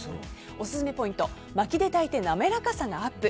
オススメポイントまきでたいて滑らかさがアップ